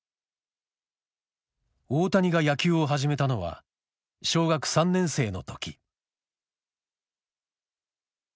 大谷が野球を始めたのは小学３年生の時。